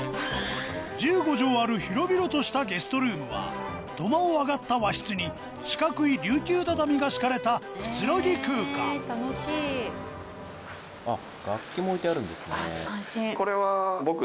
１５帖ある広々としたゲストルームは土間を上がった和室に四角い琉球畳が敷かれたくつろぎ空間あっ。